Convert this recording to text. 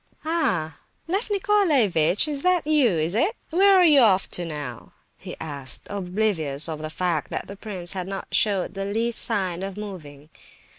"Ah! Lef Nicolaievitch, it's you, is it? Where are you off to now?" he asked, oblivious of the fact that the prince had not showed the least sign of moving.